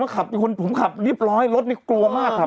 ไม่เคยชนผมก็ขับผมขับรีบร้อยรถไม่กลัวมากครับ